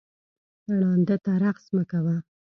ړانده ته رخس مه کوه